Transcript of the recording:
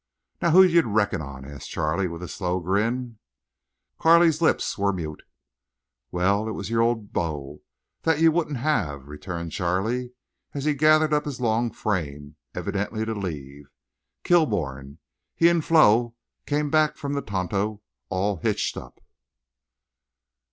"Now who'd you reckon on?" asked Charley, with his slow grin. Carley's lips were mute. "Wal, it was your old beau thet you wouldn't have," returned Charley, as he gathered up his long frame, evidently to leave. "Kilbourne! He an' Flo came back from the Tonto all hitched up."